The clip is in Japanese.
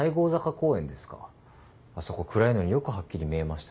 あそこ暗いのによくはっきり見えましたね。